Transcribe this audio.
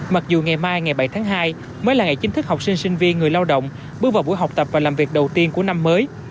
mặc dù ngày mai ngày bảy tháng hai mới là ngày chính thức học sinh sinh viên người lao động bước vào buổi học tập và làm việc đầu tiên của năm mới